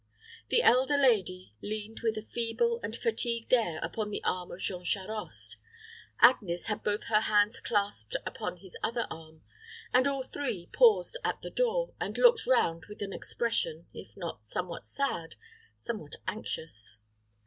The elder lady leaned with a feeble and fatigued air upon the arm of Jean Charost; Agnes had both her hands clasped upon his other arm, and all three paused at the door, and looked round with an expression, if not somewhat sad, somewhat anxious.